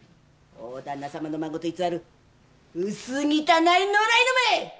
大旦那様の孫と偽る薄汚い野良犬め！